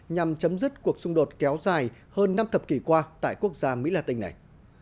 nhằm chấm dứt cuộc xung đột kéo dài hơn năm thập kỷ qua tại quốc gia mỹ latin này